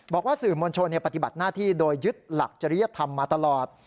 บอกว่าสื่อมวลชนปฏิบัติหน้าที่โดยยึดหลักจริยธรรมมาตลอด